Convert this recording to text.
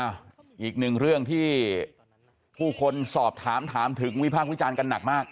อีกหนึ่งเรื่องที่ผู้คนสอบถามถามถึงวิพากษ์วิจารณ์กันหนักมาก